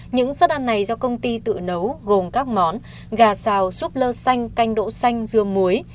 những suất ăn này do công ty tự nấu gồm các món gà xào súp lơ xanh canh đỗ xanh dưa muối